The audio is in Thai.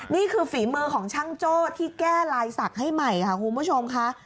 ฝีมือของช่างโจ้ที่แก้ลายศักดิ์ให้ใหม่ค่ะคุณผู้ชมค่ะ